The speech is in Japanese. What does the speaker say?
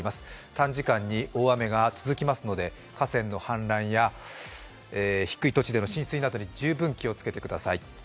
短時間に大雨が続きますので、河川の氾濫や低い土地での浸水などに十分に気をつけてください。